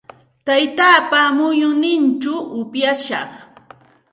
Taytaapa muyunninchaw upyashaq.